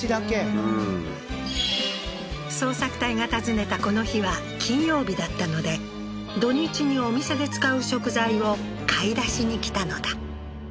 うん捜索隊が訪ねたこの日は金曜日だったので土日にお店で使う食材を買い出しに来たのだ